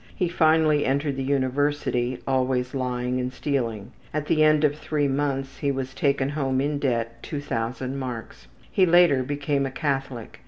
He finally entered the university, always lying and stealing. At the end of three months he was taken home in debt 2000 marks. He later became a Catholic.